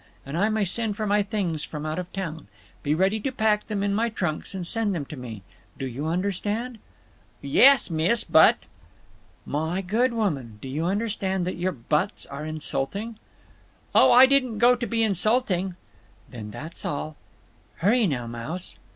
And I may send for my things from out of town. Be ready to pack them in my trunks and send them to me. Do you understand?" "Yes, miss, but—" "My good woman, do you realize that your 'buts' are insulting?" "Oh, I didn't go to be insulting—" "Then that's all…. Hurry now, Mouse!"